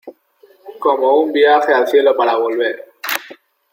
Como un viaje al cielo para volver.